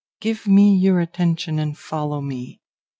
Give me your attention and follow me.